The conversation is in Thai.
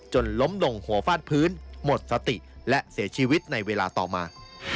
ล้มลงหัวฟาดพื้นหมดสติและเสียชีวิตในเวลาต่อมา